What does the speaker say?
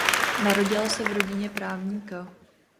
Narodila se v rodině právníka.